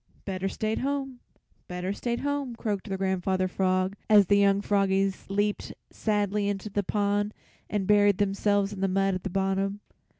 "Better stayed home, better stayed home," croaked their Grandfather Frog as the young froggies leaped sadly into the pond and buried themselves in the mud at the bottom.